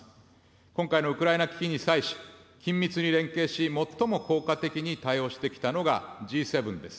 今回のウクライナ危機に際し、緊密に連携し、最も効果的に対応してきたのがＧ７です。